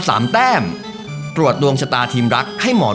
สวัสดีครับ